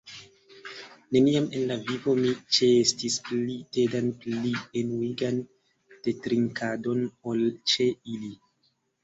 "Neniam en la vivo mi ĉeestis pli tedan pli enuigan tetrinkadon ol ĉe ili."